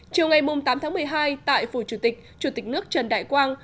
chiều ngày tám tháng một mươi hai tại phủ chủ tịch chủ tịch nước trần đại quang